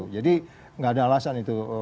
jadi nggak ada alasan itu